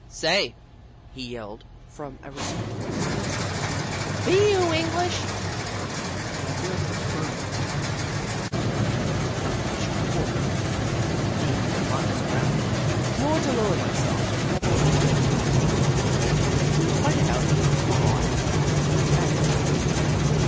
" Say," he yelled, from a respectful distance, " be you English ?" My blood burned to be at him, but I did not wish to quarrel with the only human being for miles around, nor to lower myself to the level of my kindred of the wild, who fight it out with claw and tooth and fang.